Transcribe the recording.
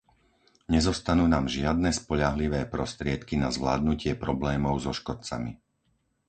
Nezostanú nám žiadne spoľahlivé prostriedky na zvládnutie problémov so škodcami.